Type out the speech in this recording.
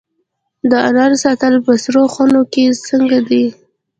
د انارو ساتل په سړو خونو کې څنګه دي؟